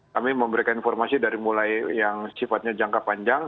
kami memberikan informasi dari mulai yang sifatnya jangka panjang